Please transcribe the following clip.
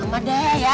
amat deh ya